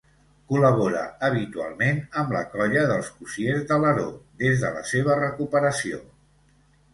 Col·labora habitualment amb la colla dels cossiers d'Alaró des de la seva recuperació.